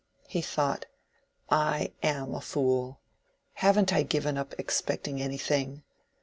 He thought, "I am a fool. Haven't I given up expecting anything?